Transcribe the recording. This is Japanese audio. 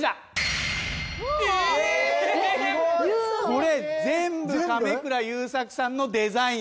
これ全部亀倉雄策さんのデザインです。